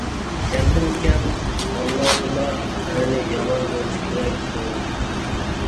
كەمدىن-كەم ھاللاردىلا «ئەرنى يامان بولسا كېرەك» دەيمىز.